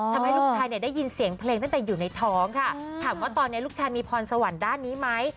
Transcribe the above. ทำให้ลูกชายเนี่ยได้ยินเสียงเพลงตั้งแต่อยู่ในท้องค่ะถามว่าตอนนี้ลูกชายมีพรสวรรค์ด้านนี้ไหม